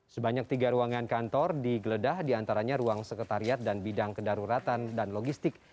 sebanyak tiga ruangan kantor digeledah diantaranya ruang sekretariat dan bidang kedaruratan dan logistik